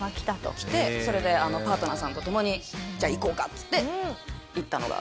きてそれでパートナーさんと共にじゃあ行こうかっつって行ったのが最初ですね。